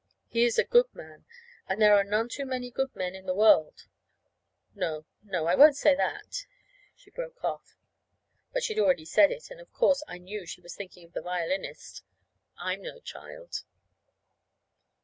He is a good man; and there are none too many good men in the world No, no, I won't say that," she broke off. But she'd already said it, and, of course, I knew she was thinking of the violinist. I'm no child.